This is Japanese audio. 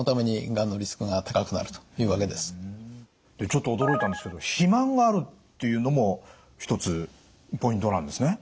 ちょっと驚いたんですけど「肥満がある」っていうのも一つポイントなんですね？